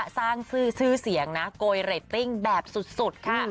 สร้างชื่อเสียงนะโกยเรตติ้งแบบสุดค่ะ